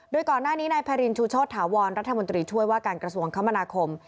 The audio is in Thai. โดยก่อนหน้านี้นายพารินชูโชธาวรรัฐมนตรีช่วยว่าการกระทรวงคมนาคม